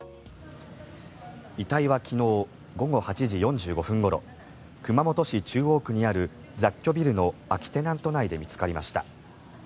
遺体は昨日午後８時４５分ごろ熊本市中央区にある雑居ビルの空きテナント内で見つかりました。